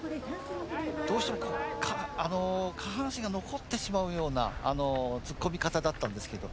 どうしても下半身が残ってしまうような突っ込み方だったんですけど